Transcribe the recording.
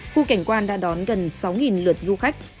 khu cảnh quan đã đón gần sáu lượt du khách